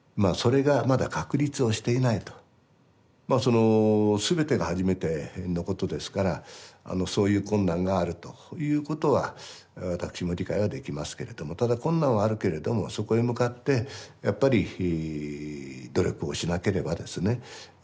まあその全てが初めてのことですからそういう困難があるということは私も理解はできますけれどもただ困難はあるけれどもそこへ向かってやっぱり努力をしなければですね